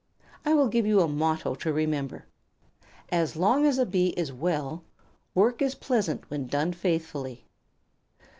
I will give you a motto to remember: 'As long as a Bee is well, work is pleasant when done faithfully.'"